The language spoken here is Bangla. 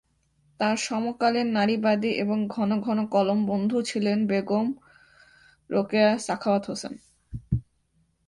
তার সমকালীন নারীবাদী এবং ঘন ঘন কলম বন্ধু ছিলেন বেগম রোকেয়া সাখাওয়াত হোসেন।